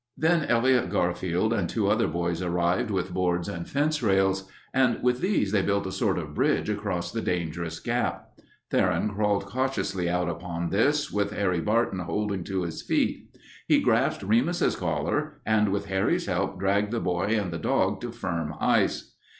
Then Elliot Garfield and two other boys arrived with boards and fence rails, and with these they built a sort of bridge across the dangerous gap. Theron crawled cautiously out upon this, with Harry Barton holding to his feet. He grasped Remus's collar, and with Harry's help dragged the boy and the dog to firm ice.